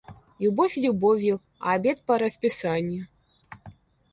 Любовь любовью, а обед по расписанию.